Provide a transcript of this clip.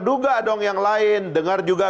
duga dong yang lain dengar juga